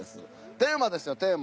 テーマですよテーマ。